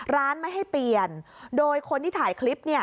ร้านไม่ให้เปลี่ยนโดยคนที่ถ่ายคลิปเนี่ย